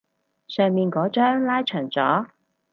上面嗰張拉長咗